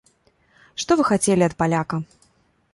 Што вы хацелі ад паляка.